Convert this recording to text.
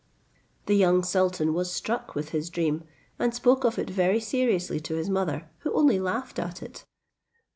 The young sultan was struck with his dream, and spoke of it very seriously to his mother, who only laughed at it.